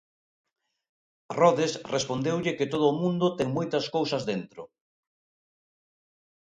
Rhodes respondeulle que todo o mundo ten moitas cousas dentro.